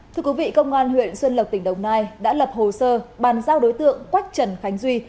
thưa quý vị công an huyện xuân lộc tỉnh đồng nai đã lập hồ sơ bàn giao đối tượng quách trần khánh duy